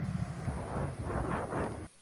La lista de famosos continuó.